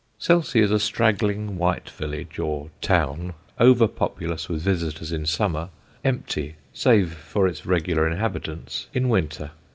Selsey is a straggling white village, or town, over populous with visitors in summer, empty, save for its regular inhabitants, in winter.